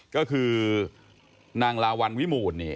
ก็คือนางลาวันวิมูลเนี่ย